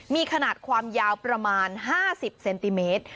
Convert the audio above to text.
มีขนาดความยาวประมาณ๕๐เซนติเมตร